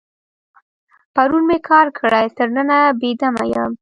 پرون مې کار کړی، تر ننه بې دمه یم.